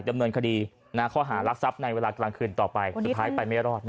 ดำเนินคดีข้อหารักทรัพย์ในเวลากลางคืนต่อไปสุดท้ายไปไม่รอด